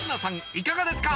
いかがですか？